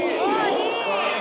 いい。